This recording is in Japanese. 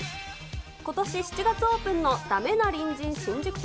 ことし７月オープンの駄目な隣人新宿店。